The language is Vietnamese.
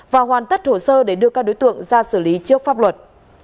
và hoàn tất hồ sơ để đưa các đối tượng ra xử lý trước pháp luật